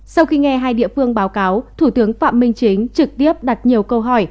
sau khi nghe hai địa phương báo cáo thủ tướng phạm minh chính trực tiếp đặt nhiều câu hỏi